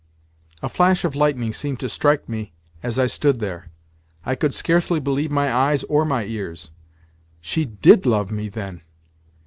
A flash of lightning seemed to strike me as I stood there. I could scarcely believe my eyes or my ears. She did love me, then!